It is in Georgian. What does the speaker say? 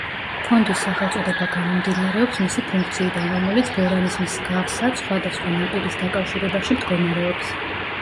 ფონდის სახელწოდება გამომდინარეობს მისი ფუნქციიდან, რომელიც ბორანის მსგავსად სხვადასხვა ნაპირის დაკავშირებაში მდგომარეობს.